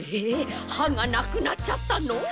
えはがなくなっちゃったの？